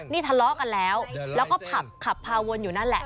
นี่ทะเลาะกันแล้วแล้วก็ผับขับพาวนอยู่นั่นแหละ